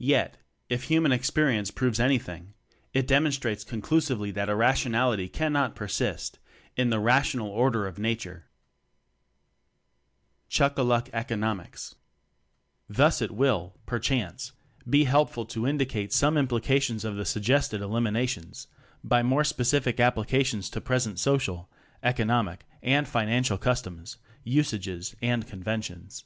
Yet, if human experience proves any thing, it demonstrates conclusively that irrationality cannot persist in the rational Order of Nature. Chuck a Luck Economics. Thus it will, perchance, be help ful to indicate some implications of the suggested eliminations, by more specific applications to present social, economic and financial customs, usages, and conventions.